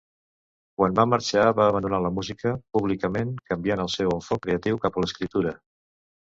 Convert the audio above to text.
Quan va marxar va abandonar la música públicament canviant el seu enfoc creatiu cap a l'escriptura.